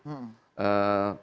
pada tingkatan mana